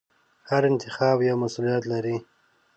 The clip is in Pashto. هر انتخاب یو مسؤلیت لري.